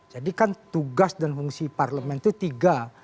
jadi kan tugas dan fungsi parlemen itu tiga